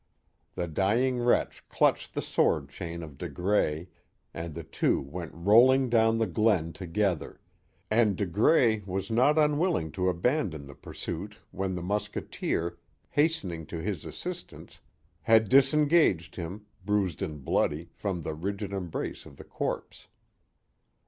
The dyifi|t wretch clutched the sword chain of De Grais, and the two went roiling down the glen together; and De Grais was not unwilling to abandon the pursuit when the musketeer, hasteir ing to his assistance, had disengaged him, bruised and bloody, from the rigid embrace of the corpse.